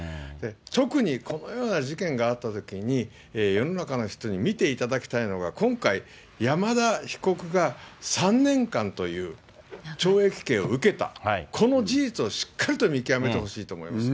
特に、このような事件があったときに、世の中の人に見ていただきたいのが、今回、山田被告が３年間という、懲役刑を受けた、この事実をしっかりと見極めてほしいと思います。